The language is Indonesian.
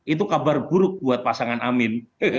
itu kabar buruk buat pasangan amin